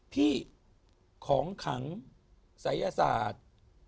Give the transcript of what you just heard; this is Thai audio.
พี่ของขังศัลยศาสตร์